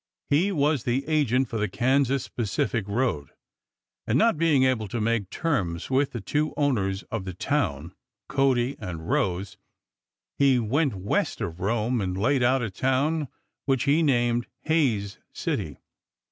He was the agent for the Kansas Pacific road, and not being able to make terms with the two owners of the town, Cody and Rose, he went west of Rome and laid out a town which he named Hays City.